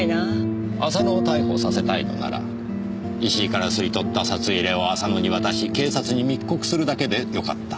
浅野を逮捕させたいのなら石井から掏り取った札入れを浅野に渡し警察に密告するだけでよかった。